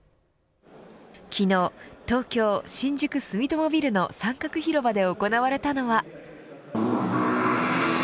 昨日、東京・新宿住友ビルの三角広場で行われたのは。